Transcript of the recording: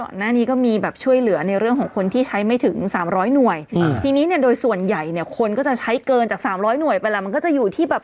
ถ้าตอนหน้านี้ก็มีแบบช่วยเหลือในเรื่องของคนที่ใช้ไม่ถึง๓๐๐หน่วย